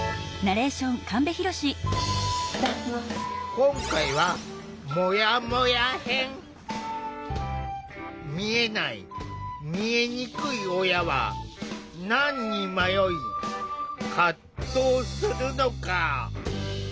今回は見えない見えにくい親は何に迷い葛藤するのか。